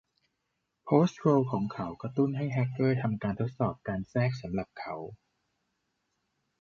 โพสต์โทรลล์ของเขากระตุ้นให้แฮกเกอร์ทำการทดสอบการแทรกสำหรับเขา